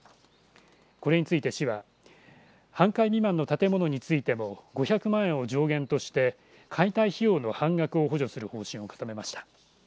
これについて市は半壊未満の建物についても５００万円を上限として解体費用の半額を補助する方針を固めました。